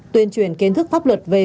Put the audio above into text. tuyên truyền kiến thức pháp luật về